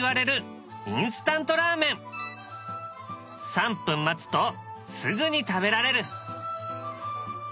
３分待つとすぐに食べられる。